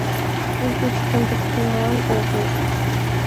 Угыч кондыктыман огыл.